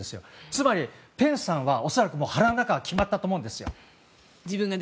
つまりペンスさんは恐らく腹の中は決まったと思うんです。